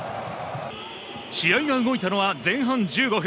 試合が動いたのは前半１５分。